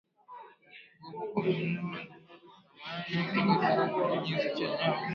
Kuwepo kwa minyoo na mayai yake katika kinyesi cha mnyama